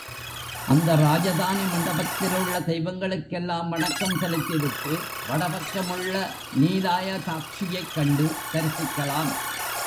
அந்த ராஜதானி மண்டபத்திலுள்ள தெய்வங்களுக்கெல்லாம் வணக்கம் செலுத்தி விட்டு வடபக்கம் உள்ள நீலாயதாக்ஷியைக் கண்டு தரிசிக்கலாம்.